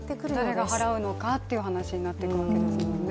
誰が払うのかという話になってくるわけですものね。